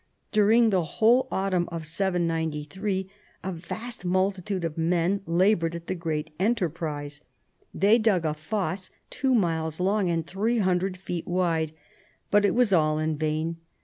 During the whole autumn of T93 a vast multitude of men labored at the great enterprise. They dug a fosse two miles long and three hundred feet wide, but it was all in vain.